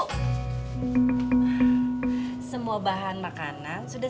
kita bapak padam standby